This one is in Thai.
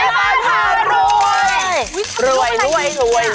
เป็นผู้ขึ้นไปกี่บีนค่ะรวย